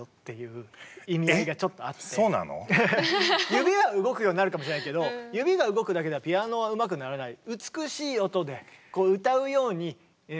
指は動くようになるかもしれないけど指が動くだけではピアノはうまくならない。